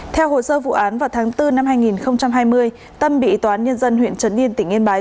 theo hồ sơ vụ án vào tháng bốn năm hai nghìn hai mươi tâm bị tòa án nhân dân huyện trấn yên tỉnh yên bái